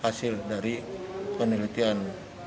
hasil dari penelitian